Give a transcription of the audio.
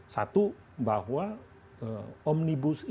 satu bahwa omnibus ini kan sudah berhasil